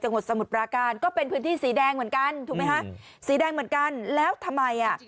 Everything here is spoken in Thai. สมุทรปราการก็เป็นพื้นที่สีแดงเหมือนกันถูกไหมฮะสีแดงเหมือนกันแล้วทำไมอ่ะ